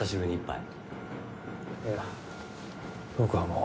いや僕はもう。